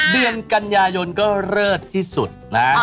เดือนกันยายนก็เลิศที่สุดนะ